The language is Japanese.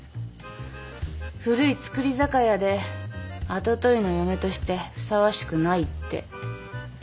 古い造り酒屋で跡取りの嫁としてふさわしくないって